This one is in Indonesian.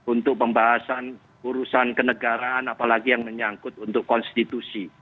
untuk pembahasan urusan kenegaraan apalagi yang menyangkut untuk konstitusi